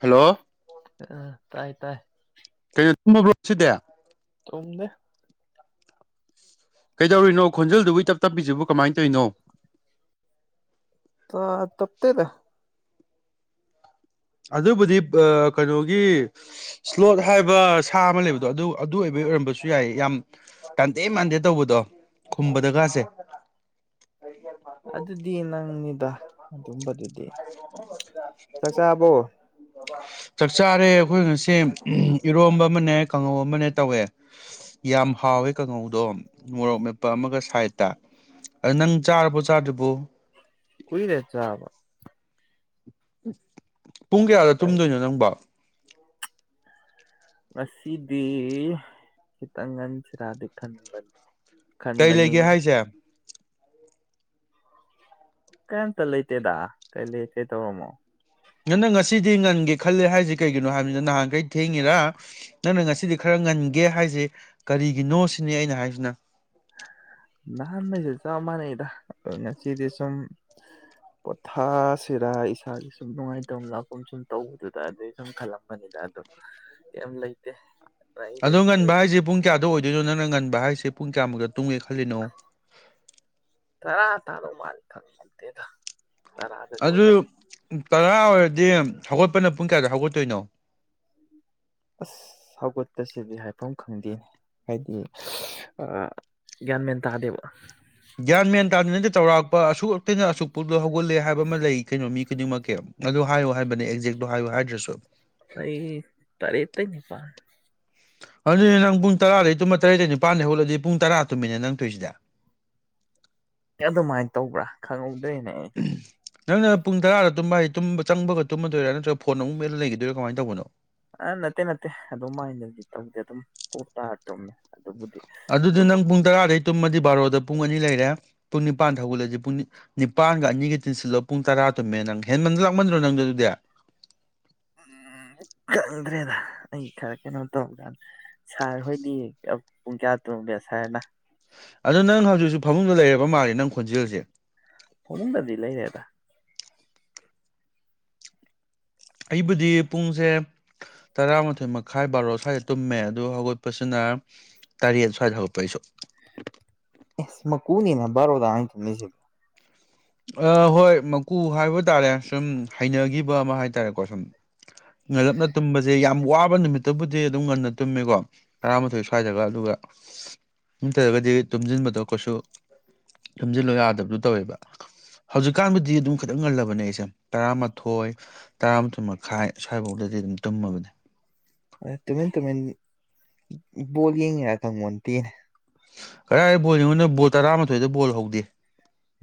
hello ꯑ ꯇꯥꯏ ꯇꯥꯏ ꯀꯩꯅꯣ ꯇꯝꯃꯕꯣ ꯉꯁꯤꯗꯦ ꯇꯣꯝꯗ ꯀꯩꯗꯧꯔꯤꯅꯣ ꯈꯣꯟꯖꯦꯜꯗꯨꯕꯨ ꯏ ꯇꯞ ꯇꯞꯄꯤꯁꯤꯕꯨ ꯀꯃꯥꯏꯅ ꯇꯧꯔꯤꯅꯣ ꯑ ꯇꯞꯇꯦ ꯗ ꯑꯗꯨꯕꯨꯗꯤ ꯀꯩꯅꯣꯒꯤ ꯏꯁ꯭ꯂꯣꯠ ꯍꯥꯏꯕ ꯁꯥ ꯑꯃ ꯂꯩꯕꯗꯣ ꯑꯗꯨ ꯑꯗꯨ ꯑꯣꯏꯕꯒꯤ ꯑꯣꯏꯔꯝꯕꯁꯨ ꯌꯥꯏ ꯌꯥꯝ ꯇꯥꯟꯗꯦ ꯃꯥꯟꯗꯦ ꯇꯧꯕꯗꯣ ꯈꯨꯝꯕ ꯗꯒꯥꯁꯦ ꯑꯗꯨꯗꯤ ꯅꯪꯅꯤꯗ ꯑꯗꯨꯝꯕꯗꯨꯗꯤ ꯆꯥꯛ ꯆꯥꯕꯣ [unintelligible] ꯆꯥꯛ ꯆꯥꯔꯦ ꯑꯩꯈꯣꯏ ꯉꯁꯤ ꯏꯔꯣꯝꯕ ꯑꯃꯅꯦ ꯀꯥꯡꯉꯧ ꯑꯃꯅꯦ ꯇꯧꯋꯦ ꯌꯥꯝ ꯍꯥꯎꯋꯦ ꯀꯥꯡꯉꯧꯗꯣ ꯃꯣꯔꯣꯛ ꯃꯦꯠꯞꯄ ꯑꯃꯒ ꯁꯥꯏꯗꯠꯇ ꯑꯗꯣ ꯅꯪ ꯆꯥꯔꯕꯣ ꯆꯥꯗꯔꯤꯕꯣ ꯀꯨꯏꯔꯦ ꯆꯥꯕ ꯑ ꯄꯨꯡ ꯀꯌꯥꯗ ꯇꯨꯝꯗꯣꯏꯅꯣ ꯅꯪꯕꯣ ꯉꯁꯤꯗꯤ ꯈꯤꯇꯪ ꯉꯟꯁꯤꯔꯗꯤ ꯈꯟꯕꯅꯤ ꯀꯔꯤ ꯂꯩꯒꯦ ꯍꯥꯏꯁꯦ ꯀꯩꯝꯇ ꯂꯩꯇꯦꯗ ꯀꯔꯤ ꯂꯩ ꯀꯩꯇꯧꯔꯝꯃꯣ ꯅꯪꯅ ꯉꯁꯤꯗꯤ ꯉꯟꯒꯦ ꯈꯂꯦ ꯍꯥꯏꯁꯦ ꯀꯩꯒꯤꯅꯣ ꯍꯥꯏꯕꯅꯤꯅ ꯅꯍꯥꯟꯈꯩ ꯊꯦꯡꯉꯤꯔ ꯅꯪꯅ ꯉꯁꯤꯗꯤ ꯈꯔ ꯉꯟꯒꯦ ꯍꯥꯏꯁꯦ ꯀꯔꯤꯒꯤꯅꯣ ꯁꯤꯅꯤ ꯑꯩꯅ ꯍꯥꯏꯁꯤꯅ ꯅꯍꯥꯟ ꯆꯞ ꯃꯥꯟꯅꯩꯗ ꯉꯁꯤꯗꯤ ꯁꯨꯝ ꯄꯣꯊꯁꯤꯔꯥ ꯏꯁꯥꯒꯤꯁꯨ ꯅꯨꯡꯉꯥꯏ ꯇ ꯂꯥꯛꯀꯨꯝ ꯁꯨꯝ ꯇꯧꯗꯦꯗ ꯑꯗꯨꯗꯩ ꯁꯨꯝ ꯈꯜꯂꯝꯄꯅꯤꯗ ꯑꯗꯣ ꯀꯩꯝ ꯂꯩꯇꯦ ꯂꯩꯗꯤ ꯑꯗꯣ ꯉꯟꯕ ꯂꯩ ꯍꯥꯏꯁꯦ ꯄꯨꯡ ꯀꯌꯥꯗ ꯑꯣꯏꯗꯣꯏꯅꯣ ꯅꯪꯅ ꯉꯟꯕ ꯍꯥꯏꯁꯦ ꯄꯨꯡ ꯀꯌꯥꯃꯨꯝꯇ ꯇꯨꯡꯉꯦ ꯈꯜꯂꯤꯅꯣ ꯇꯥꯔ ꯇꯗꯧꯃꯥꯟꯗꯦꯗ ꯈꯪꯇꯦꯇ ꯑꯗꯨ ꯇꯔꯥ ꯑꯣꯏꯔꯗꯤ ꯍꯧꯒꯠꯄꯅ ꯄꯨꯡ ꯀꯌꯥꯗ ꯍꯧꯒꯠꯇꯣꯏꯅꯣ ꯑꯁ ꯍꯧꯒꯠꯄꯁꯤꯗꯤ ꯍꯥꯏꯐꯝ ꯈꯪꯗꯦꯅꯦ ꯍꯥꯏꯗꯤ ꯑꯥ ꯒ꯭ꯌꯥꯟ ꯃꯦꯟ ꯇꯥꯗꯦꯕ ꯒ꯭ꯌꯥꯟ ꯃꯦꯟ ꯇꯗꯔꯤ ꯉꯩ ꯇꯧ ꯆꯧꯔꯥꯛ ꯑꯁꯨꯛꯇꯩꯅ ꯑꯁꯨꯛꯄꯨ ꯑꯗꯣ ꯍꯧꯒꯠꯂꯦ ꯍꯥꯏꯕ ꯑꯃ ꯂꯩ ꯀꯩꯅꯣ ꯃꯤ ꯈꯨꯗꯤꯡꯃꯛꯀꯤ ꯑꯗꯨ ꯍꯥꯏꯌꯨ ꯍꯥꯏꯕꯅꯦ ꯑꯦꯛꯖꯦꯛꯇꯣ ꯍꯥꯏꯌꯨ ꯍꯥꯏꯗ꯭ꯔꯁꯨ ꯑꯩ ꯇꯔꯦꯠꯇꯩ ꯅꯤꯄꯥꯟ ꯑꯗꯨꯗꯤ ꯅꯪ ꯄꯨꯡ ꯇꯔꯥꯗꯒꯤ ꯇꯨꯝꯃ ꯇꯔꯦꯗ ꯅꯤꯄꯥꯥꯟꯗꯒꯤ ꯍꯧꯒꯠꯂꯗꯤ ꯄꯨꯡ ꯇꯔꯥ ꯇꯨꯝꯃꯤꯟꯅ ꯅꯪ ꯇꯣꯏꯁꯤꯗ ꯑꯗꯨꯃꯥꯏꯅ ꯇꯧꯕ꯭ꯔꯥ ꯈꯪꯍꯧ ꯂꯩꯅꯦ [unintelligible] ꯅꯪꯅ ꯄꯨꯡ ꯇꯔꯥꯗ ꯇꯨꯝꯕ ꯍꯥꯏꯗꯤ ꯇꯨꯝꯕ ꯆꯪꯕꯒ ꯇꯨꯝꯃꯗꯣꯏꯔꯥ ꯅꯠꯇ꯭ꯔꯒ ꯐꯣꯟ ꯑꯃꯨꯛ ꯃꯦꯠꯂꯒ ꯂꯩꯈꯤꯗꯣꯏꯔꯥ ꯀꯃꯥꯏꯅ ꯇꯧꯕꯅꯣ ꯑ ꯅꯠꯇꯦ ꯅꯠꯇꯦ ꯑꯗꯨꯃꯥꯅꯗꯤ ꯇꯩꯗꯦ ꯗꯨꯝ ꯄꯣꯞ ꯇꯥꯔ ꯇꯨꯝꯃꯤ ꯑꯗꯨꯗꯤ ꯅꯪ ꯄꯨꯡ ꯇꯔꯥꯗꯩ ꯇꯨꯝꯃꯗꯤ ꯕꯥꯔꯣꯗ ꯄꯨꯡ ꯑꯅꯤ ꯂꯩꯔꯦ ꯄꯨꯡ ꯅꯤꯄꯥꯟ ꯍꯧꯒꯠꯂꯗꯤ ꯄꯨꯡ ꯅꯤꯄꯥꯟꯒ ꯑꯅꯤꯒ ꯇꯤꯟꯁꯤꯜꯂꯣ ꯄꯨꯡ ꯇꯔꯥ ꯇꯨꯝꯃꯦ ꯅꯪ ꯍꯦꯟꯃꯟ ꯂꯥꯛꯃꯟꯗ꯭ꯔꯣ ꯅꯪꯗꯤ ꯑꯗꯨꯗꯤ ꯎ ꯈꯪꯗ꯭ꯔꯦꯗ ꯑꯩ ꯈꯔ ꯀꯩꯅꯣ ꯇꯧꯕꯀꯗ ꯁꯥꯔ ꯍꯣꯏꯗꯤ ꯄꯨꯡ ꯀꯌꯥ ꯇꯨꯝꯒꯦ ꯁꯥꯔꯅ ꯑꯗ ꯅꯪ ꯍꯧꯖꯤꯛꯁꯨ ꯐꯃꯨꯡꯗ ꯂꯩꯔꯕ ꯃꯥꯜꯂꯦ ꯅꯪ ꯈꯣꯟꯖꯦꯜꯁꯦ ꯐꯃꯨꯡꯗꯗꯤ ꯂꯩꯔꯦꯗ ꯑꯩꯕꯨꯗꯤ ꯄꯨꯡꯁꯦ ꯇꯔꯥꯃꯥꯊꯣꯏ ꯃꯈꯥꯏ ꯕꯥꯔꯣ ꯁ꯭ꯋꯥꯏꯗ ꯇꯨꯝꯃꯦ ꯑꯗꯨ ꯍꯧꯒꯠꯄꯁꯤꯅ ꯇꯔꯦꯠ ꯁ꯭ꯋꯥꯏꯗ ꯍꯧꯒꯠꯄ ꯑꯩꯁꯨ ꯑꯁ ꯃꯀꯨꯅꯤꯗ ꯕꯔꯣꯗ ꯑꯥ ꯇꯨꯃꯤꯁꯤ ꯑꯥ ꯍꯣꯏ ꯃꯀꯨ ꯍꯥꯏꯕ ꯇꯥꯔꯦ ꯁꯨꯝ ꯍꯩꯅꯈꯤꯕ ꯑꯃ ꯍꯥꯏ ꯇꯥꯔꯦꯀꯣ ꯁꯨꯝ ꯉꯜꯂꯞꯅ ꯇꯨꯝꯕꯁꯦ ꯌꯥꯝ ꯋꯥꯕ ꯅꯨꯃꯤꯠꯇꯕꯨꯗꯤ ꯑꯗꯨꯝ ꯉꯟꯅ ꯇꯨꯝꯃꯦꯀꯣ ꯇꯔꯥꯃꯥꯊꯣꯏ ꯁ꯭ꯋꯥꯏꯗꯒ ꯑꯗꯨꯒ ꯠꯇ꯭ꯔꯒꯗꯤ ꯇꯨꯝꯁꯤꯟꯕꯗꯣ ꯀꯩꯁꯨ ꯇꯨꯝꯖꯤꯟꯕ ꯌꯥꯗꯕꯗꯨ ꯇꯧꯋꯦꯕ ꯍꯧꯖꯤꯛꯀꯥꯟꯕꯨꯗꯤ ꯑꯗꯨꯝ ꯈꯤꯇꯪ ꯉꯜꯂꯕꯅꯦ ꯑꯩꯁꯦ ꯇꯔꯥꯃꯥꯊꯣꯏ ꯇꯔꯥꯃꯥꯊꯣꯏ ꯃꯈꯥꯏ ꯁ꯭ꯋꯥꯏꯐꯥꯎꯗꯗꯤ ꯑꯗꯨꯝ ꯇꯨꯝꯃꯕꯅꯦ ꯇꯨꯃꯤꯟ ꯇꯨꯃꯤꯟ ꯕꯣꯜ ꯌꯦꯡꯂꯤꯔ ꯈꯪꯄꯣꯠꯇꯦ ꯀꯗꯥꯏ ꯕꯣꯜꯌꯦꯡꯕꯅꯣ ꯕꯣꯜ ꯇꯔꯥꯃꯥꯊꯣꯏꯗ ꯕꯣꯜ ꯍꯧꯗꯦ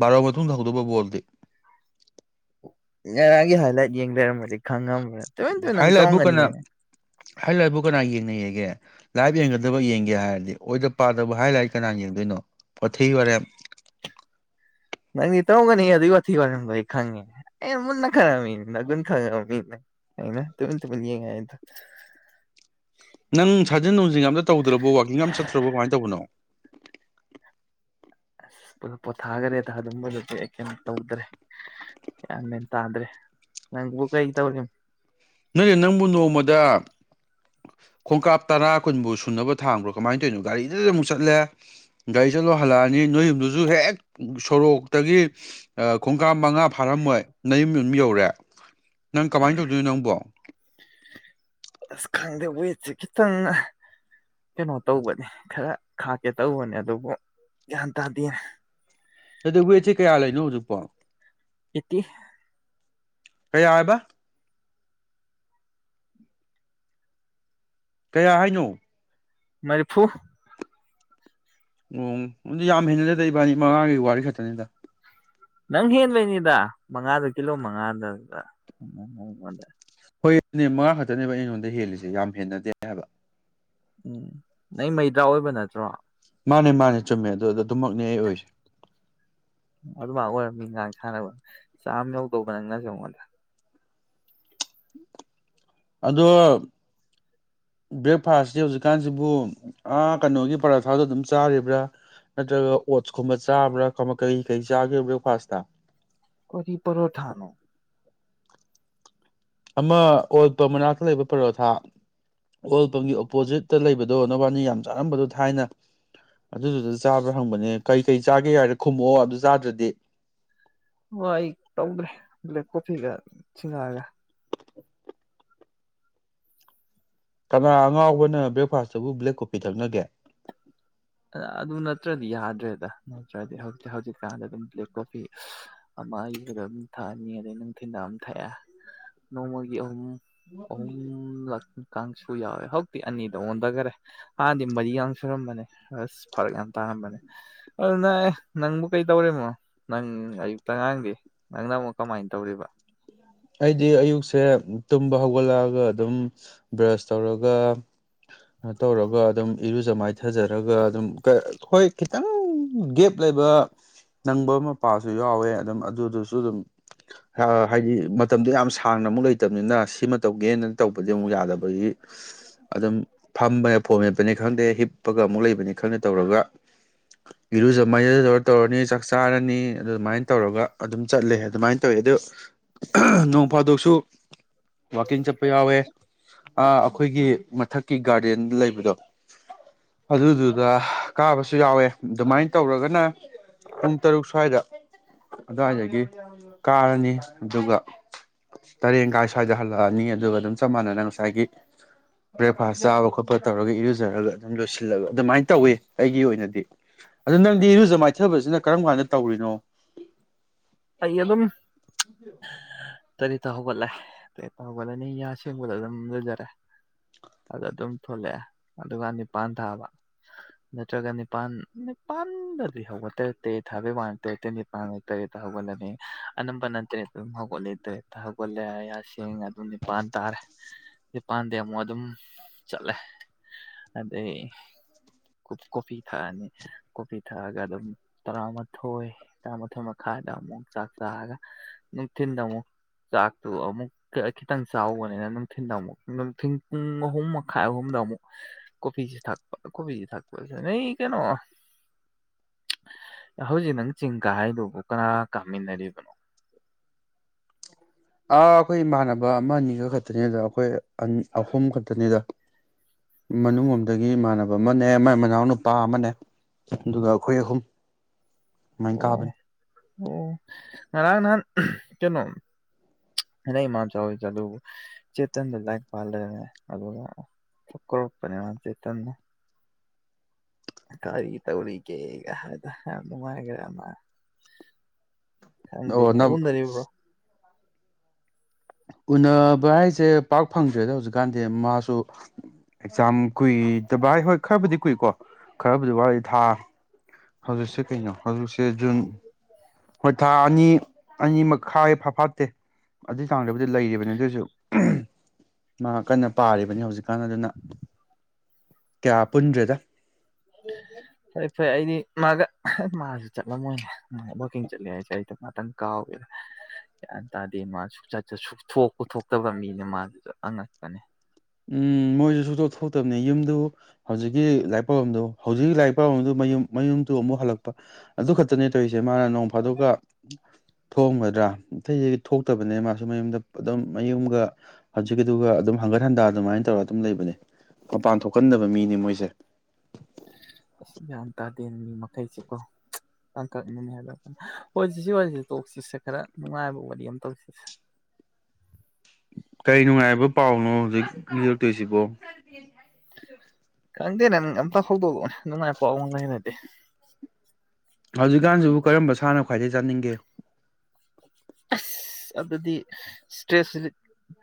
ꯕꯥꯔꯣ ꯃꯇꯨꯡꯗ ꯍꯧꯗꯧꯕ ꯕꯣꯜꯗꯤ [unintelligible] ꯌꯦꯡ ꯂꯩꯔꯝꯃꯗꯤ ꯈꯪꯉꯝꯒꯅꯤ ꯇꯨꯃꯤꯟ ꯇꯨꯃꯤꯟ ꯅꯪ ꯍꯥꯏ ꯂꯥꯏꯠꯕꯨ ꯀꯅꯥ ꯇꯧꯔꯝꯒꯅꯤꯌꯦ ꯍꯥꯏ ꯂꯥꯏꯠꯕꯨ ꯀꯅꯥ ꯌꯦꯡꯅꯩ ꯌꯦꯡꯒꯦ ꯂꯥꯏꯞ ꯌꯦꯡꯒꯗꯕ ꯌꯦꯡꯒꯦ ꯍꯥꯏꯔꯗꯤ ꯑꯣꯏꯗ ꯄꯥꯗꯕ ꯍꯥꯏꯠ ꯂꯥꯏꯠ ꯀꯅꯥꯅ ꯌꯦꯡꯗꯣꯏꯅꯣ ꯋꯥꯊꯤ ꯋꯥꯔꯦꯝ ꯅꯪꯗꯤ ꯇꯧꯒꯅꯤ ꯑꯗꯨꯒꯤ ꯋꯥꯊꯤ ꯋꯥꯔꯦꯝ ꯑꯩ ꯈꯪꯉꯦ ꯑꯦ ꯃꯨꯟꯅ ꯈꯪꯕ ꯃꯤꯅꯦ ꯅꯒꯨꯟ ꯈꯪꯕ ꯑꯩꯅ ꯇꯨꯃꯤꯟ ꯇꯨꯃꯤꯟ ꯌꯦꯡꯉꯦ ꯍꯥꯏꯕ ꯅꯪ ꯁꯥꯖꯟ ꯅꯨꯡꯖꯤꯡ ꯑꯝꯇ ꯇꯧꯗ꯭ꯔꯕꯣ ꯋꯥꯥꯛꯀꯤꯡ ꯑꯝ ꯆꯠꯇ꯭ꯔꯕꯣ ꯀꯃꯥꯏ ꯇꯧꯕꯅꯣ ꯑꯁ ꯄꯣꯊꯥꯈ꯭ꯔꯦꯗ ꯑꯗꯨꯝꯕꯗꯨꯗꯤ ꯀꯩꯅꯣ ꯇꯧꯗ꯭ꯔꯦ ꯒꯥꯟ ꯃꯦꯟ ꯇꯥꯗ꯭ꯔꯦ ꯅꯪꯕꯨ ꯀꯩ ꯇꯧꯔꯤ ꯅꯣꯏꯅꯦ ꯅꯪꯕꯨ ꯅꯣꯡꯃꯗ ꯈꯣꯡꯀꯥꯞ ꯇꯔꯥ ꯀꯨꯟꯕꯨ ꯁꯨꯅꯕ ꯊꯥꯡꯕ꯭ꯔꯣ ꯀꯃꯥꯏꯅ ꯇꯧꯔꯤꯅꯣ ꯒꯥꯔꯤꯗꯨꯗ ꯑꯃꯨꯛ ꯆꯠꯂꯦ ꯒꯥꯔꯤ ꯆꯠꯂꯣ ꯍꯜꯂꯛꯑꯅꯤ ꯅꯣꯏꯌꯨꯝꯗꯨꯁꯨ ꯍꯦꯛ ꯁꯣꯔꯣꯛꯇꯒꯤ ꯈꯣꯡꯀꯥꯞ ꯃꯉꯥ ꯐꯥꯔꯝꯃꯣꯏ ꯅꯌꯨꯝ ꯑꯗꯨꯝ ꯌꯧꯔꯦ ꯅꯪ ꯀꯃꯥꯏꯅ ꯇꯧꯗꯣꯏꯅ ꯅꯪꯕꯣ ꯑꯁ ꯈꯪꯗꯦ ꯋꯦꯠꯁꯦ ꯈꯤꯇꯪ ꯀꯩꯅꯣ ꯇꯧꯕꯅꯤ ꯈꯔ ꯈꯥꯛꯀꯦ ꯇꯧꯕꯅꯦ ꯑꯗꯨꯕꯨ ꯒ꯭ꯌꯥꯟ ꯇꯥꯗꯦꯅ ꯑꯗꯨꯕꯨ ꯋꯦꯠꯁꯦ ꯀꯌꯥ ꯂꯩꯅꯣ ꯍꯧꯖꯤꯛꯄꯣ ꯑꯦꯠꯇꯤ ꯀꯩ ꯍꯥꯏꯕ ꯀꯌꯥ ꯍꯥꯏꯅꯣ ꯃꯔꯤ ꯐꯨ ꯎꯝ ꯑꯗꯨ ꯌꯥꯝ ꯍꯦꯟꯅꯂ ꯂꯩ ꯕꯥꯅꯤ ꯃꯉꯥꯒꯤ ꯋꯥꯔꯤ ꯈꯛꯇꯅꯤꯗ ꯅꯪ ꯍꯦꯟꯂꯣꯏꯅꯤꯗ ꯃꯉꯥꯗ ꯀꯤꯂꯣ ꯃꯉꯥꯗꯗ ꯍꯣꯏꯅꯦ ꯃꯉꯥ ꯈꯛꯇꯅꯦꯕ ꯑꯩ ꯅꯪꯉꯣꯟꯗ ꯍꯦꯜꯂꯤꯁꯦ ꯌꯥꯝ ꯍꯦꯟꯅꯗꯦ ꯍꯥꯏꯕ ꯎꯝ ꯅ ꯃꯩꯗ꯭ꯔꯥ ꯑꯣꯏꯣꯏꯕꯅꯗꯤ [unintelligible] ꯃꯥꯅꯦ ꯃꯥꯅꯦ ꯆꯨꯝꯃꯦ ꯑꯗꯨꯗ ꯑꯗꯨꯝꯃꯛꯅꯦ ꯑꯩ ꯑꯣꯏꯁꯦ ꯑꯗꯨꯃꯥꯏ ꯑꯣꯏꯔꯝꯃꯤ ꯉꯥꯡ ꯁꯥꯟꯅꯕ ꯆꯥ ꯑꯃ ꯌꯧꯗꯧꯕ ꯅꯪꯅꯁꯦ ꯑꯩꯉꯣꯟꯗ ꯑꯗꯣ ꯕ꯭ꯔꯦꯛꯐꯥꯁꯇꯤ ꯍꯧꯖꯤꯛꯀꯥꯟꯁꯤꯕꯨ ꯀꯩꯅꯣꯒꯤ ꯄꯔꯥꯊꯥꯗꯣ ꯑꯗꯨꯝ ꯆꯥꯔꯤꯕ꯭ꯔꯥ ꯅꯠꯇ꯭ꯔꯒ ꯑꯣꯠꯁꯀꯨꯝꯕ ꯆꯥꯕ꯭ꯔꯥ ꯀꯩ ꯀꯩ ꯆꯥꯒ ꯕ꯭ꯔꯦꯛꯐꯥꯁꯇ ꯀꯔꯤ ꯄꯔꯣꯊꯥꯅ ꯑꯃ ꯑꯣꯜꯄꯝ ꯃꯅꯥꯛꯇ ꯂꯩꯕ ꯄꯔꯣꯊꯥ ꯑꯣꯜꯄꯝꯒꯤ ꯑꯣꯄꯣꯖꯤꯠꯇ ꯂꯩꯕꯗꯣ ꯅꯕꯥꯅꯤ ꯌꯥꯝ ꯆꯥꯔꯝꯕꯗꯣ ꯊꯥꯏꯅ ꯑꯗꯨꯗꯨꯗ ꯆꯥꯕ꯭ꯔꯥ ꯍꯪꯕꯅꯦ ꯀꯩ ꯀꯩ ꯆꯥꯒꯦ ꯍꯥꯏꯔꯦ ꯈꯨꯝꯃꯛꯑꯣ ꯑꯗꯨ ꯆꯥꯗ꯭ꯔꯗꯤ ꯋꯥ ꯑꯩ ꯇꯧꯗ꯭ꯔꯦ ꯂꯦꯞ ꯄꯣꯠꯆꯩꯒ [unintelligible] ꯀꯅꯥ ꯑꯉꯥꯎꯕꯅ ꯕ꯭ꯔꯦꯛꯐꯥꯁꯇꯕꯨ ꯕ꯭ꯂꯦꯛ ꯀꯣꯐꯤ ꯊꯛꯅꯒꯦ ꯑꯗꯨ ꯅꯠꯇ꯭ꯔꯗꯤ ꯌꯥꯗ꯭ꯔꯦꯗ ꯅꯠꯇ꯭ꯔꯗꯤ ꯍꯧꯖꯤꯛ ꯍꯧꯖꯤꯛꯀꯥꯟꯗ ꯑꯗꯨꯝ ꯕ꯭ꯂꯦꯛ ꯀꯣꯐꯤ ꯑꯃꯕꯗ ꯑꯗꯨꯝ ꯊꯛꯑꯅꯤ ꯑꯗꯩ ꯅꯨꯡꯊꯤꯜꯗ ꯑꯃꯝ ꯊꯛꯑꯦ ꯅꯣꯡꯃꯒꯤ ꯑꯍꯨꯝ ꯑꯍꯨꯝ ꯂꯛ ꯇꯤ ꯀꯥꯡꯁꯨ ꯌꯥꯎꯋꯦ ꯍꯧꯖꯤꯛꯇꯤ ꯑꯅꯤꯗ ꯑꯣꯟꯊꯈꯔꯦ ꯍꯥꯟꯗꯤ ꯃꯔꯤꯌ ꯁꯨꯔꯝꯕꯅꯦ ꯍꯁ ꯐꯔꯛ ꯌꯥꯝ ꯇꯥꯝꯕꯅꯦ ꯑꯗꯨꯅ ꯑꯦ ꯅꯪꯕꯨ ꯀꯩ ꯇꯧꯔꯤꯃꯣ ꯅꯪ ꯑꯌꯨꯛꯇ ꯑꯥꯡꯗꯤ ꯅꯪꯅ ꯑꯃꯨꯛ ꯀꯃꯥꯏꯅ ꯇꯧꯔꯤꯕ ꯑꯩꯗꯤ ꯑꯌꯨꯛꯁꯦ ꯇꯨꯝꯕ ꯍꯧꯒꯠꯂꯛꯑꯒ ꯑꯗꯨꯝ ꯕ꯭ꯔꯁ ꯇꯧꯔꯒ ꯇꯧꯔꯒ ꯑꯗꯨꯝ ꯏꯔꯨꯖ ꯃꯥꯏꯊꯖꯔꯒ ꯑꯗꯨꯝ ꯍꯣꯏ ꯈꯤꯇꯪ ꯒꯦꯞ ꯂꯩꯕ ꯅꯪꯕ ꯃꯄꯥꯁꯨ ꯌꯥꯎꯋꯦ ꯑꯗꯨꯝ ꯑꯗꯨꯗꯨꯁꯨ ꯑꯗꯨꯝ ꯍꯥꯏꯗꯤ ꯃꯇꯝꯗꯨꯗꯣ ꯌꯥꯝ ꯁꯥꯡꯅ ꯑꯃꯨꯛ ꯂꯩꯇꯕꯅꯤꯅ ꯁꯤꯃ ꯇꯧꯒꯦꯅꯅ ꯇꯧꯕꯗꯤ ꯑꯃꯨꯛ ꯌꯥꯗꯕꯒꯤ ꯑꯗꯨꯝ ꯐꯝꯕꯅꯦ ꯐꯣꯝ ꯃꯦꯠꯄꯅꯦ ꯈꯪꯗꯦ ꯍꯤꯞꯄꯒ ꯑꯃꯨꯛ ꯂꯩꯕꯅꯤ ꯈꯪꯗꯦ ꯇꯧꯔꯒ ꯏꯔꯨꯖ ꯃꯥꯏꯖꯗꯧꯔ ꯇꯧꯔꯅꯤ ꯆꯥꯛ ꯆꯥꯔꯅꯤ ꯑꯗꯨꯃꯥꯏꯅ ꯇꯧꯔꯒ ꯑꯗꯨꯝ ꯆꯠꯂꯦ ꯑꯗꯨꯃꯥꯏꯅ ꯇꯧꯋꯦ ꯑꯗꯨ ꯅꯣꯡ ꯐꯥꯗꯣꯛꯁꯨ ꯋꯥꯛꯀꯤꯡ ꯆꯠꯄ ꯌꯥꯎꯋꯦ ꯑꯩꯈꯣꯏꯒꯤ ꯃꯊꯛꯀꯤ ꯒꯥꯔꯗꯦꯟ ꯂꯩꯕꯗꯣ ꯑꯗꯨꯗꯨꯗ ꯀꯥꯕꯁꯨ ꯌꯥꯎꯋꯦ ꯑꯗꯨꯃꯥꯏꯅ ꯇꯧꯔꯒꯅ ꯄꯨꯡ ꯇꯔꯨꯛ ꯁ꯭ꯋꯥꯏꯗ ꯑꯗꯨꯋꯥꯏꯗꯒꯤ ꯀꯥꯔꯅꯤ ꯑꯗꯨꯒ ꯇꯔꯦꯟ ꯀꯥꯏ ꯁ꯭ꯋꯥꯏꯗ ꯍꯜꯂꯛꯑꯅꯤ ꯑꯗꯨꯒ ꯑꯗꯨꯝ ꯆꯞ ꯃꯥꯟꯅꯅ ꯉꯁꯥꯏꯒꯤ ꯕ꯭ꯔꯦꯛꯐꯥꯁ ꯆꯥꯕ ꯈꯣꯠꯄ ꯇꯧꯔꯒ ꯏꯔꯨꯖꯔꯒ ꯑꯗꯨꯝ ꯂꯣꯏꯁꯤꯜꯂꯒ ꯑꯗꯨꯃꯥꯏꯅ ꯇꯧꯋꯤ ꯑꯩꯒꯤ ꯑꯣꯏꯅꯗꯤ ꯑꯗꯨ ꯅꯪꯗꯤ ꯏꯔꯨꯖ ꯃꯥꯏꯊꯕꯁꯤꯅ ꯀꯔꯝ ꯀꯥꯟꯗ ꯇꯧꯔꯤꯅꯣ ꯑꯩ ꯑꯗꯨꯝ ꯇꯔꯦꯠꯇ ꯍꯧꯒꯠꯂꯦ ꯇꯔꯦꯠꯇ ꯍꯧꯒꯠꯂꯅꯤ ꯌꯥꯁꯦꯡꯕꯗ ꯑꯗꯨꯝ ꯂꯣꯏꯖꯔꯦ ꯑꯗ ꯑꯗꯨꯝ ꯊꯣꯜꯂꯛꯑꯦ ꯑꯗꯨꯒ ꯅꯤꯄꯜ ꯊꯥꯕ ꯅꯠꯇ꯭ꯔꯒ ꯅꯤꯄꯥꯜ ꯅꯤꯄꯜꯗꯗꯤ ꯍꯧꯒꯠ ꯇꯔꯦ ꯇꯔꯦꯠ ꯊꯥꯕꯩ ꯋꯥ ꯇꯔꯦꯠꯠꯇ ꯅꯤꯄꯥꯟꯒ ꯇꯔꯦꯠ ꯍꯧꯒꯠꯂꯅꯤ ꯑꯅꯝꯕ ꯅꯠꯇꯦ ꯑꯗꯨꯝ ꯍꯧꯒꯠꯂꯦ ꯍꯧꯒꯠꯂꯦ ꯌꯥ ꯁꯦꯡꯉꯦ ꯑꯗꯨ ꯅꯤꯄꯥꯟ ꯇꯥꯔꯦ ꯅꯤꯄꯥꯟꯗꯦ ꯑꯃꯨꯛ ꯑꯗꯨꯝ ꯆꯠꯂꯦ ꯑꯗꯩ ꯀꯣꯐꯤ ꯊꯛꯑꯅꯤ ꯀꯣꯐꯤ ꯊꯛꯑꯒ ꯑꯗꯨꯝ ꯇꯔꯥꯃꯥꯊꯣꯏ ꯇꯔꯥꯃꯥꯊꯣꯏ ꯃꯈꯥꯏ ꯃꯈꯥꯏꯗ ꯑꯃꯨꯛ ꯆꯥꯛ ꯆꯥꯔꯒ ꯅꯨꯡꯊꯤꯟꯗ ꯑꯃꯨꯛ ꯆꯥꯛꯇꯨ ꯑꯃꯨꯛ ꯈꯤꯇꯪ ꯆꯥꯎꯕꯅꯤꯅ ꯅꯨꯡꯊꯤꯟꯗ ꯑꯃꯨꯛ ꯅꯨꯡꯊꯤꯟ ꯄꯨꯡ ꯑꯍꯨꯝ ꯃꯈꯥꯏ ꯑꯍꯨꯝꯗ ꯑꯃꯨꯛ ꯀꯣꯐꯤꯁꯤ ꯊꯛꯄ ꯀꯣꯐꯁꯤ ꯊꯛꯄꯁꯦ ꯅꯣꯏ ꯀꯩꯅꯣ ꯍꯧꯖꯤꯛ ꯅꯪ ꯆꯤꯡ ꯀꯥ ꯍꯥꯏꯗꯨꯕꯨ ꯅꯥ ꯀꯃꯤ ꯅꯔꯤꯕꯅꯣ ꯑꯥ ꯑꯩꯈꯣꯏ ꯏꯃꯥꯟꯅꯕ ꯑꯃ ꯑꯅꯤꯈ ꯈꯛꯇꯅꯤꯗ ꯑꯩꯈꯣꯏ ꯑꯍꯨꯝ ꯈꯛꯇꯅꯤꯗ ꯃꯅꯨꯡ ꯔꯣꯝꯗꯒꯤ ꯏꯃꯥꯟꯅꯕ ꯑꯃꯅꯦ ꯃ ꯃꯅꯥꯎ ꯅꯨꯄꯥ ꯑꯃꯅꯦ ꯑꯗꯨꯒ ꯑꯩꯈꯣꯏ ꯑꯍꯨꯝ ꯑꯗꯨꯃꯥꯏꯅ ꯑꯣ ꯀꯥꯕꯅꯦ ꯑꯣ ꯉꯔꯥꯡ ꯅꯍꯥꯟ ꯀꯩꯅꯣꯗꯩ ꯏꯃꯥ ꯆꯥꯎꯔꯤꯁꯦ ꯑꯗꯨꯕꯨ ꯆꯦꯇꯟꯗ ꯂꯥꯏꯔꯤꯛ ꯄꯥꯜꯂꯅꯦ ꯑꯗꯨꯒ ꯀꯧꯔꯛꯄꯅꯦ ꯆꯇꯗ ꯀꯔꯤ ꯇꯧꯔꯤ ꯀꯦꯒ ꯅꯨꯅꯨꯡꯃꯒ꯭ꯔꯃ [unintelligible] ꯑꯣ ꯅꯪ ꯎꯅꯕ ꯍꯥꯏꯁꯦ ꯄꯥꯛ ꯐꯪꯗ꯭ꯔꯦꯗ ꯍꯧꯖꯤꯛꯀꯥꯟꯗꯤ ꯃꯥꯁꯨ ꯑꯦꯛꯖꯥꯝ ꯀꯨꯏꯗꯕ ꯍꯥꯏ ꯍꯣꯏ ꯈꯔꯕꯨꯗꯤ ꯀꯨꯏꯀꯣ ꯈꯔꯕꯨꯗꯤ ꯋꯥꯔꯤ ꯊꯥ ꯍꯧꯖꯤꯛꯁꯦ ꯀꯩꯅꯣ ꯍꯧꯖꯤꯛꯁꯦ ꯖꯨꯟ ꯍꯣꯏ ꯊꯥ ꯑꯅꯤ ꯑꯅꯤ ꯃꯈꯥꯏ ꯐꯐꯥꯠꯇꯦ ꯑꯗꯨꯏ ꯍꯛꯆꯥꯡꯗꯕꯗ ꯂꯩꯔꯤꯕꯅꯤ ꯑꯗꯨꯑꯣꯏꯁꯨ ꯃꯥ ꯀꯟꯅ ꯄꯥꯔꯤꯕꯅꯤ ꯍꯧꯖꯤꯛꯀꯥꯟ ꯑꯗꯨꯅ ꯀꯌꯥ ꯄꯨꯟꯗ꯭ꯔꯦꯗ ꯐꯔꯦ ꯐꯔꯦ ꯑꯩꯗꯤ ꯃꯥꯒ ꯃꯥꯁꯨ ꯆꯠꯂꯝꯃꯣꯏꯅꯦ ꯃꯥ ꯋꯀꯤꯡ ꯆꯠꯂꯤ ꯍꯥꯏꯁꯦ ꯑꯩꯗ ꯉꯥꯛꯇꯪ ꯀꯥꯎꯋꯦ ꯒ꯭ꯌꯥꯟ ꯇꯥꯗꯦ ꯃꯥꯁꯨ ꯁꯨꯡꯆꯠ ꯄꯊꯣꯛꯇꯕ ꯃꯤꯅ ꯃꯥꯗꯨꯁꯨ ꯑꯉꯛꯄꯅꯦ ꯎꯝ ꯃꯣꯏꯁꯨ ꯁꯨꯛꯇꯣꯛ ꯊꯣꯛꯇꯕꯅꯦ ꯌꯨꯝꯗꯨ ꯍꯧꯖꯤꯛꯀꯤ ꯂꯥꯏꯔꯤꯛ ꯄꯥꯎꯕꯝꯗꯨ ꯍꯧꯖꯤꯛꯀꯤ ꯂꯥꯏꯔꯤꯛ ꯄꯔꯝꯗꯨ ꯃꯌꯨꯝ ꯃꯌꯨꯝꯗꯨ ꯑꯃꯨꯛ ꯍꯜꯂꯛꯄ ꯑꯗꯨ ꯈꯛꯇꯅꯦ ꯇꯧꯔꯤꯁꯦ ꯃꯥꯅ ꯅꯣꯡ ꯐꯥꯗꯣꯛꯀ ꯊꯣꯡꯒꯗ꯭ꯔꯥ ꯑꯇꯩꯁꯤ ꯊꯣꯛꯇꯕꯅꯦ ꯃꯥꯁꯨ ꯃꯌꯨꯝꯗ ꯑꯗꯨꯝ ꯃꯌꯨꯝꯒ ꯍꯧꯖꯤꯛꯀꯤꯗꯨꯒ ꯑꯗꯨꯝ ꯍꯪꯒꯠ ꯍꯟꯗꯥ ꯑꯗꯨꯃꯥꯏ ꯇꯧꯔꯒ ꯑꯗꯨꯝ ꯂꯩꯕꯅꯦ ꯃꯄꯥꯟ ꯊꯣꯛꯀꯟꯗꯕ ꯃꯤꯅꯦ ꯃꯣꯏꯁꯦ ꯒ꯭ꯌꯥꯟ ꯇꯥꯗꯦ ꯃꯤ ꯃꯈꯩꯁꯦꯀꯣ ꯇꯥꯡꯀꯛꯅꯅꯤ ꯍꯥꯏꯕꯥꯟꯗ ꯍꯣꯏ ꯁꯤ ꯁꯤ ꯋꯥꯔꯤꯁꯤꯦ ꯇꯣꯛꯁꯤꯁꯦ ꯈꯔ ꯅꯨꯡꯉꯥꯏꯕ ꯋꯥꯔꯤ ꯑꯃ ꯇꯧꯁꯤꯁꯦ ꯀꯔꯤ ꯅꯨꯡꯉꯥꯏꯕ ꯄꯥꯎꯅꯣ ꯍꯧꯖꯤꯛ [unintelligible] ꯍꯪꯗꯦ ꯅꯪ ꯉꯝꯄꯥ ꯍꯣꯕꯣ ꯉꯥꯏ ꯄꯋꯥ ꯃꯣꯟꯅꯗꯤ [unintelligible] ꯍꯧꯖꯤꯛꯀꯥꯟꯁꯤꯕꯨ ꯀꯔꯝꯕ ꯁꯥꯟꯅ ꯈꯣꯠ ꯈ꯭ꯋꯥꯏꯗꯒꯤ ꯆꯥꯅꯤꯡꯒꯦ ꯑꯁ ꯑꯗꯨꯗꯤ ꯏꯁꯇ꯭ꯔꯦꯁ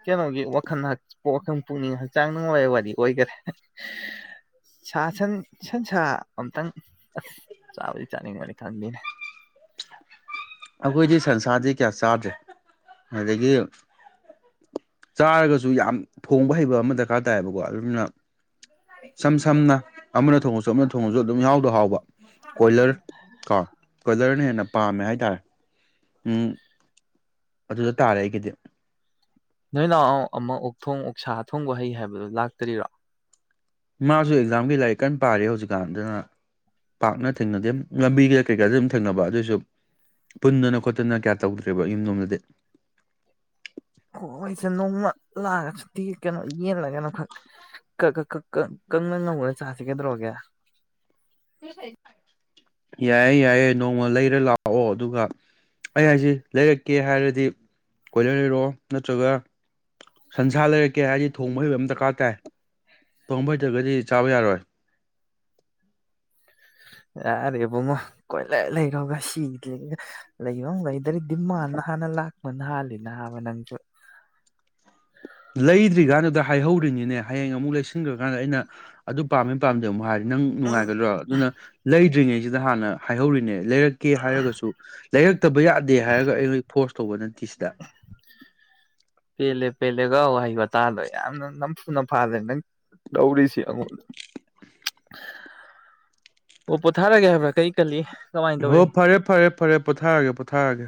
ꯀꯩꯅꯣꯒꯤ ꯋꯥꯈꯜ ꯋꯥꯈꯜ ꯄꯨꯛꯅꯤꯡ ꯍꯛꯆꯥꯡ ꯅꯨꯡꯉꯥꯏꯕ ꯋꯥꯔꯤ ꯑꯣꯏꯈꯔꯦ ꯁꯥ ꯁꯟ ꯁꯟ ꯁꯥ ꯑꯇꯪ ꯑꯁ ꯆꯥꯕꯗꯤ ꯆꯥꯅꯤꯡꯕꯅꯤ ꯈꯪꯗꯦꯅꯦ ꯑꯩꯈꯣꯏꯗꯤ ꯁꯟꯁꯥꯔꯗꯤ ꯀꯌꯥ ꯆꯥꯗ꯭ꯔꯦ ꯑꯗꯒꯤ ꯆꯥꯔꯒꯁꯨ ꯌꯥꯝ ꯊꯣꯡꯕ ꯍꯩꯕ ꯑꯃ ꯗꯔꯀꯥꯔ ꯇꯥꯏꯌꯦꯕꯀꯣ ꯑꯗꯨꯝꯅ ꯏꯁꯝ ꯁꯝꯅ ꯑꯃꯅ ꯊꯣꯡꯉꯁꯨ ꯑꯃꯅ ꯊꯣꯡꯉꯁꯨ ꯑꯗꯨꯝ ꯌꯥꯍꯥꯎꯗ ꯍꯥꯎꯕ ꯀꯣꯏꯂꯔ ꯀꯣ ꯀꯣꯏꯂꯔꯅ ꯍꯦꯟꯅ ꯄꯥꯝꯃꯦ ꯍꯥꯏꯇꯥꯔꯦ ꯎꯝ ꯑꯗꯨꯗ ꯇꯥꯔꯦ ꯑꯩꯒꯤꯗꯤ ꯅꯣꯏ ꯅꯅꯥꯎ ꯑꯃꯨꯛ ꯑꯣꯛ ꯊꯣꯡ ꯑꯣꯛꯁꯥ ꯊꯣꯡꯕ ꯍꯩ ꯍꯥꯏꯕꯗꯨ ꯂꯥꯛꯇꯔꯤꯔꯣ ꯃꯥꯁꯨ ꯑꯦꯛꯖꯥꯝꯒꯤ ꯂꯥꯏꯔꯤꯛ ꯀꯟꯅ ꯄꯥꯔꯤ ꯍꯧꯖꯤꯛꯀꯥꯟꯗꯨꯅ ꯄꯥꯛꯅ ꯊꯦꯡꯅꯗꯦ ꯂꯝꯕꯤꯒ ꯀꯔꯤꯀꯥꯗ ꯑꯗꯨꯝ ꯊꯦꯡꯅꯕ ꯑꯗꯨꯑꯣꯏꯁꯨ ꯄꯨꯟꯗꯅ ꯈꯣꯠꯇꯅ ꯀꯌꯥ ꯇꯧꯗ꯭ꯔꯦꯕ ꯌꯨꯝ ꯌꯣꯝꯗꯗꯤ ꯍꯣꯏ ꯑꯩꯁꯦ ꯅꯣꯡꯃ ꯂꯥꯛꯒ ꯈꯛꯇꯤ ꯀꯩꯅꯣ ꯌꯦꯜꯂꯒꯅꯣ ꯈꯛ ꯀꯪꯅ ꯉꯧꯅ ꯆꯥꯁꯤ ꯒꯗ꯭ꯔꯣꯒꯦ ꯌꯥꯏꯌꯦ ꯌꯥꯏꯌꯦ ꯅꯣꯡꯃ ꯂꯩꯔ ꯂꯥꯛꯑꯣ ꯑꯗꯨꯒ ꯑꯩ ꯍꯥꯏꯁꯤ ꯂꯩꯔꯛꯀꯦ ꯍꯥꯏꯔꯗꯤ ꯀꯣꯏꯂꯔ ꯂꯩꯔꯛꯑꯣ ꯅꯠꯇ꯭ꯔꯒ ꯁꯟꯁꯥ ꯂꯩꯔꯛꯀꯦ ꯍꯥꯏꯔꯗꯤ ꯊꯣꯡꯕ ꯍꯩꯕ ꯑꯃ ꯗꯔꯀꯥꯔ ꯇꯥꯏ ꯊꯣꯡꯕ ꯍꯩꯇ꯭ꯔꯒꯗꯤ ꯆꯥꯕ ꯌꯥꯔꯣꯏ ꯌꯥꯔꯦ ꯏꯕꯨꯡꯉꯣ ꯀꯣꯏꯂ ꯂꯩꯈ꯭ꯔꯣꯒ ꯁꯤꯗ ꯂꯩꯕ ꯂꯩꯗ꯭ꯔ ꯗꯤꯃꯥꯟ ꯍꯥꯟꯅ ꯂꯥꯛꯄ ꯅ ꯍꯥꯜꯂꯤ ꯅꯕ ꯅꯪꯁꯨ ꯂꯩꯗ꯭ꯔꯤꯀꯥꯟꯅꯗ ꯍꯥꯏꯍꯧꯔꯤꯅꯤ ꯅꯅꯦ ꯍꯌꯦꯡ ꯑꯃꯨꯛ ꯂꯩꯁꯤꯟꯈ꯭ꯔꯦ ꯍꯥꯏꯥꯟꯗ ꯑꯩꯅ ꯑꯗꯨ ꯄꯥꯝꯃꯦ ꯄꯥꯝꯗꯦ ꯑꯃꯨꯛ ꯍꯥꯏꯔꯤ ꯅꯪ ꯎꯝ ꯅꯨꯡꯉꯥꯏꯒꯗ꯭ꯔꯣ ꯑꯗꯨꯅ ꯂꯩꯗ꯭ꯔꯤꯉꯩꯁꯤ ꯁꯤꯗ ꯍꯥꯟꯅ ꯍꯥꯏꯍꯧꯔꯤꯅꯦ ꯂꯩꯔꯛꯀꯦ ꯍꯥꯏꯔꯒꯁꯨ ꯇ [inaudible] ꯐꯠꯇꯕ ꯌꯥꯗꯦ ꯍꯥꯏꯔꯒ ꯑꯩꯉꯣꯏ ꯐꯣꯔꯁ ꯑꯇꯧꯕ ꯅꯠꯇꯦ ꯁꯤꯗ ꯄꯦꯜꯂꯦ ꯄꯦꯜꯂꯦꯒ ꯋꯥꯍꯩ ꯋꯥꯇꯥꯗꯣ ꯌꯥꯝꯅ ꯅꯝꯐꯨ ꯅꯐꯥꯗ꯭ꯔꯦ ꯅꯪ ꯂꯧꯔꯤꯁꯤ ꯑꯩꯉꯣꯟꯗ ꯑꯣ ꯄꯣꯊꯥꯔꯒꯦ ꯍꯥꯏꯕꯥ ꯀꯔꯤ ꯀꯜꯂꯤ ꯀꯃꯥꯏꯅ ꯍꯣ ꯇꯧꯔꯤ ꯐꯔꯦ ꯐꯔꯦ ꯐꯔꯦ ꯄꯣꯊꯥꯔꯒꯦ ꯄꯣꯊꯥꯔꯒꯦ